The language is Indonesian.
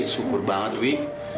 syukur banget wi